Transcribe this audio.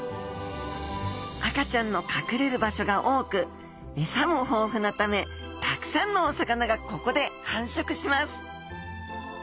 赤ちゃんの隠れる場所が多く餌も豊富なためたくさんのお魚がここで繁殖します。